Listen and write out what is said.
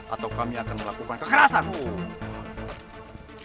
atau kami akan melakukan kekerasan